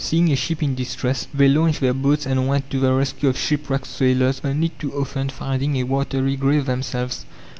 Seeing a ship in distress, they launched their boats and went to the rescue of shipwrecked sailors, only too often finding a watery grave themselves.